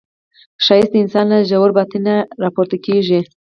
ښایست د انسان له ژور باطن نه راپورته کېږي